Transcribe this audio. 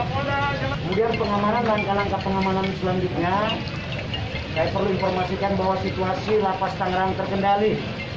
kemudian pengamanan langkah langkah pengamanan selanjutnya saya perlu informasikan bahwa situasi lapas tangerang terkendali